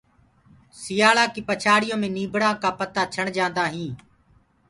سيآݪآ ڪيٚ پڇاڙيو مي نيٚڀڙآ ڪآ متآ ڇڻ جآنٚدآ هينٚ